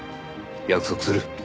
約束する。